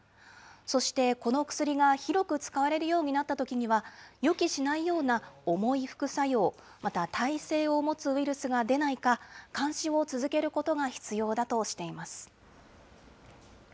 そして、この薬が広く使われるようになったときには、予期しないような重い副作用、また耐性を持つウイルスが出ないか、監視を続けることが必要だとしています。